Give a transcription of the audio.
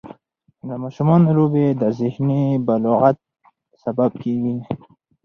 د ماشومانو لوبې د ذهني بلوغت سبب کېږي.